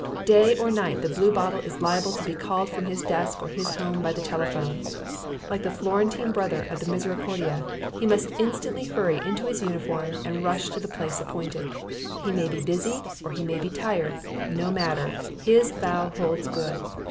Day or night the Bluebottle is liable to be called from his desk or his home by the telephone: like the Florentine Brother of the Misericordia he must instantly hurry into his uniform and rush to the place appointed. He may be busy or he may be tired; no matter: his vow holds good.